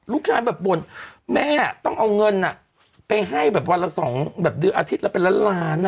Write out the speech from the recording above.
ลูกชายมาบ่นแม่อะต้องเอาเงินไปให้วันละสองเดือนอาทิตย์แล้วไปรักมาก